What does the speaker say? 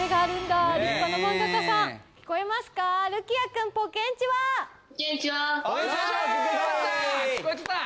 聞こえてた！